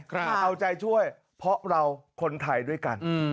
เอาใจช่วยเพราะเราคนไทยด้วยกัน